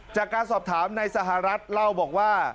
จากการสอบถามในสหรัฐเล่าบอกว่า